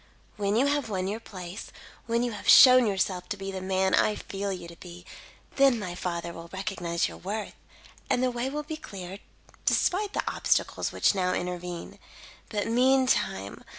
When you have won your place when you have shown yourself to be the man I feel you to be, then my father will recognise your worth, and the way will be cleared, despite the obstacles which now intervene. "But meantime!